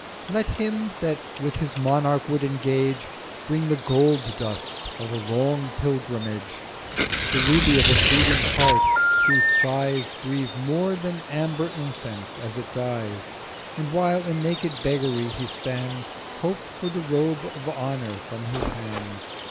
'Let him that with this Monarch would engage Bring the Gold Dust of a long Pilgrimage: The Ruby of a bleeding Heart, whose Sighs 1040 Breathe more than Amber incense as it dies; And while in naked Beggary he stands Hope for the Robe of Honour from his Hands.'